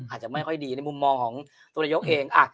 อาจจะไม่ค่อยดีในมุมมองของตัวนายกเอง